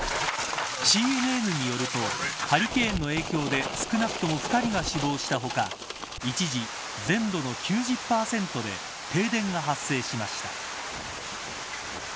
ＣＮＮによるとハリケーンの影響で少なくとも２人が死亡した他一時、全土の９０％で停電が発生しました。